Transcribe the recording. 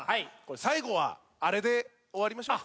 最後はあれで終わりましょうか。